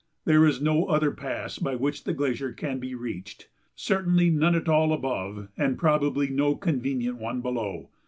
There is no other pass by which the glacier can be reached; certainly none at all above, and probably no convenient one below.